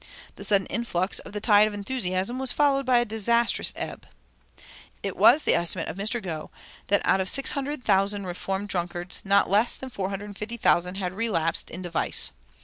The sudden influx of the tide of enthusiasm was followed by a disastrous ebb. It was the estimate of Mr. Gough that out of six hundred thousand reformed drunkards not less than four hundred and fifty thousand had relapsed into vice.